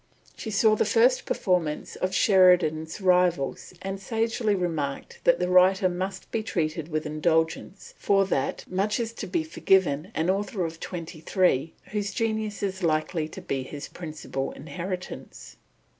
She saw the first performance of Sheridan's Rivals, and sagely remarks that the writer must be treated with indulgence, for that "much is to be forgiven in an author of twenty three, whose genius is likely to be his principal inheritance."